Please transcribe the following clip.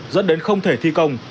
rất đến không thể thi công